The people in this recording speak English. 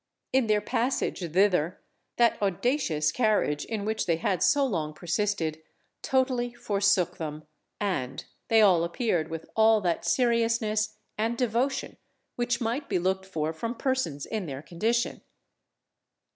In their passage thither, that audacious carriage in which they had so long persisted totally forsook them, and they all appeared with all that seriousness and devotion which might be looked for from persons in their condition.